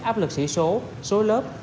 áp lực sỉ số số lớp